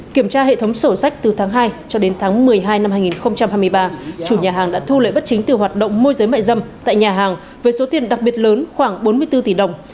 kiểm tra hệ thống sổ sách từ tháng hai cho đến tháng một mươi hai năm hai nghìn hai mươi ba chủ nhà hàng đã thu lợi bất chính từ hoạt động môi giới mại dâm tại nhà hàng với số tiền đặc biệt lớn khoảng bốn mươi bốn tỷ đồng